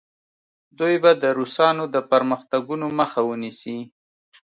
دوی به د روسانو د پرمختګونو مخه ونیسي.